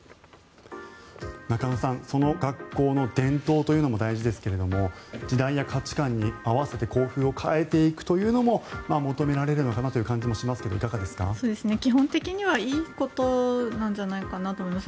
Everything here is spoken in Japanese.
中野さん、その学校の伝統というのも大事ですが時代や価値観に合わせて校風を変えていくというのも求められるのかなという感じもしますが基本的にはいいことなんじゃないかなと思います。